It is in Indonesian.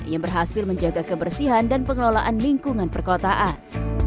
yang berhasil menjaga kebersihan dan pengelolaan lingkungan perkotaan